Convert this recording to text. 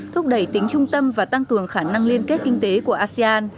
thúc đẩy tính trung tâm và tăng cường khả năng liên kết kinh tế của asean